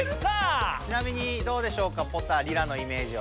ちなみにどうでしょうかポタ？リラのイメージは。